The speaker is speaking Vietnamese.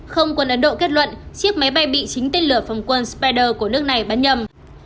không quân ấn độ kết luận chiếc máy bay bị chính tên lửa phòng quân spider của nước này bắn nhầm